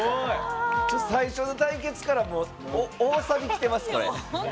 最初の対決から大サビきてます、これ。